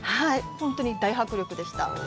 本当に大迫力でした。